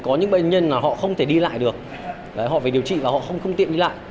có những bệnh nhân là họ không thể đi lại được họ phải điều trị và họ không tiện đi lại